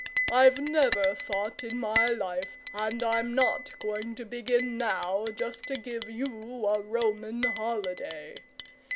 I've never fought in my life, and I'm not going to begin now, just to give you a Roman holiday.